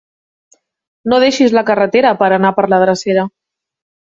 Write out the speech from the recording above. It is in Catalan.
No deixis la carretera per anar per la drecera.